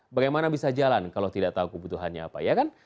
bagaimana bisa jalan kalau tidak tahu kebutuhannya apa ya kan